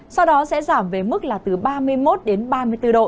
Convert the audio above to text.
sau đó sẽ giảm về mức là từ ba mươi một đến ba mươi bốn độ